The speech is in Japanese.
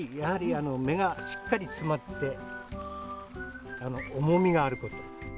目がしっかり詰まって重みがあること。